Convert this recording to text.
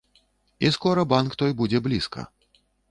І скора банк той будзе блізка.